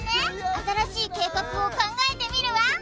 「新しい計画を考えてみるわ」